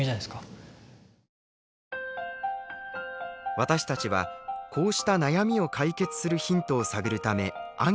私たちはこうした悩みを解決するヒントを探るためアンケートを作成。